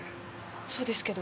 そうですけど。